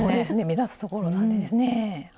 目立つところなんでですね。